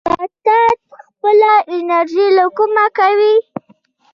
نباتات خپله انرژي له کومه کوي؟